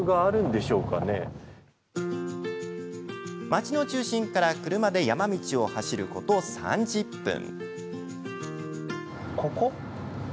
町の中心から車で山道を走ること３０分。